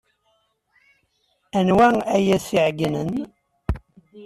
Anwa ay as-iɛeyynen?